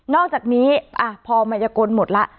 อกจากนี้พอมายกลหมดแล้ว